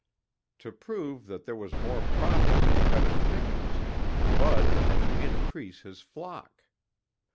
To prove that there was more profit in better chickens, Bud had to increase his flock.